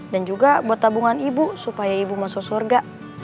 dan juga buat tabungan ibu supaya ibu masuk surga